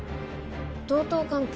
同等関係？